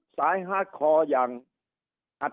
จบนานแล้ว